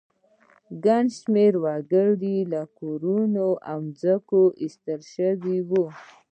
ګڼ شمېر وګړي له کورونو او ځمکو ایستل شوي وو